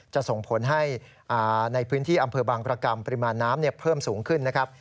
จะส่งผลให้ในพื้นที่อำเภอบางประกรรมปริมาณน้ำเพิ่มสูงขึ้นนะครับ